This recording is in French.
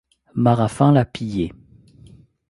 Marafin l’a pillée...